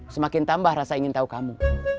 semakin tambah rasa ingin tahu kamu